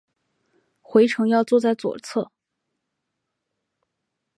回程要坐在左侧